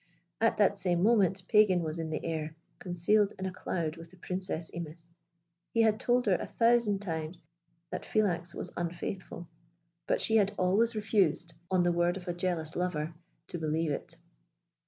At that same moment Pagan was in the air, concealed in a cloud with the Princess Imis: he had told her a thousand times that Philax was unfaithful, but she had always refused, on the word of a jealous lover, to believe it.